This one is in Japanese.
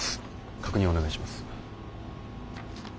確認お願いします。